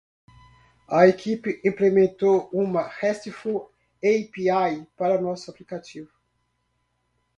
A equipe implementou uma RESTful API para nosso aplicativo.